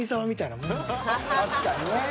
確かにねぇ。